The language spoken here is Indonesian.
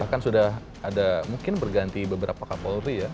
kan sudah ada mungkin berganti beberapa kapolri ya